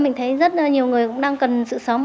mình thấy rất là nhiều người cũng đang cần sự sống